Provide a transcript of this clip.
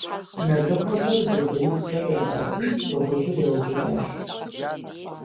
Мэлыхъуэхэр зыхуейххэр арати, дыгъужьыр яубыдащ.